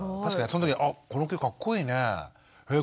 その時「あっこの曲かっこいいねえ。